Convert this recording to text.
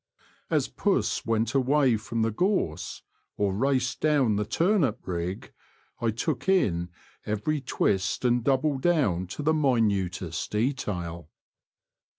As puss went away from the gorse, or raced down the turnip rigg, I took in every twist and double down to the minutest detail.